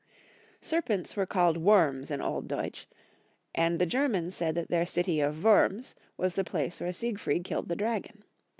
Serpents were called worms in old Deutsch, and the Germans said that then* city of Wurms was the place where Siegfried killed the dragon.